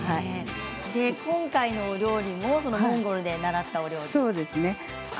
今回のお料理もモンゴルで習ったお料理ですね。